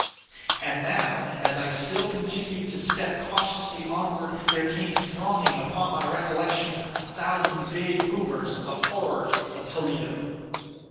And now, as I still continued to step cautiously onward, there came thronging upon my recollection a thousand vague rumors of the horrors of Toledo.